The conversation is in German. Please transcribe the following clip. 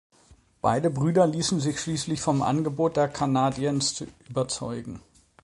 Beide Brüder ließen sich schließlich vom Angebot der Canadiens überzeugen.